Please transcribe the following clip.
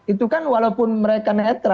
itu kan walaupun mereka netral